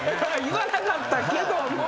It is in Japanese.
言わなかったけども。